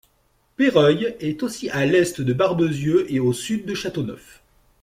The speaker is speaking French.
Péreuil est aussi à à l'est de Barbezieux et au sud de Châteauneuf.